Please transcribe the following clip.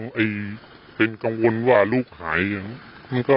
ก็ไม่เป็นกังวลว่าลูกหายแล้วก็